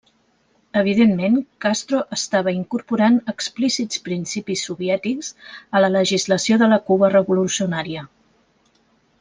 Evidentment, Castro estava incorporant explícits principis soviètics a la legislació de la Cuba revolucionària.